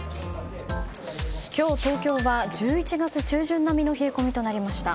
今日、東京は１１月中旬並みの冷え込みとなりました。